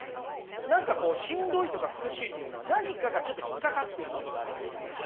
何かしんどいとか苦しいというのは何かがちょっと引っかかっていることがあるんですよ。